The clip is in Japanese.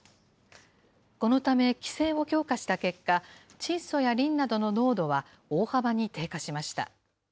このため規制を強化した結果、窒素やリンなどの濃度は大幅に低下しました。